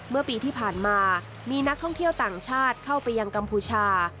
เมื่อปีที่ผ่านมามีนักท่องเที่ยวต่างชาติเข้าไปยังกัมพูชา